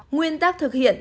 nguyên tắc thực hiện